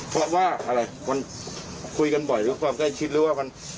เพราะว่าอะไรมันคุยกันบ่อยหรือความใกล้ชิดหรือว่ามัน